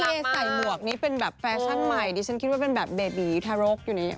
ใช่ใส่หมวกนี้เป็นแบบแฟชั่นใหม่ดิฉันคิดว่าเป็นแบบเบบีทารกอยู่เนี่ย